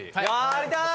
やりたい！